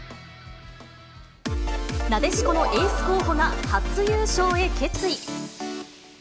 なでしこのエース候補が初優勝へ決意。